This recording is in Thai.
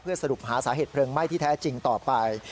สรุปหาสาเหตุเพลิงไหม้ที่แท้จริงต่อไป